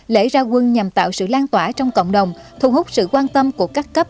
lễ ra quân nhằm tạo sự lan tỏa trong cộng đồng thu hút sự quan tâm của các cấp